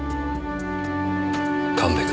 神戸君。